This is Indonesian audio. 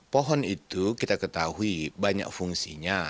pohon itu kita ketahui banyak fungsinya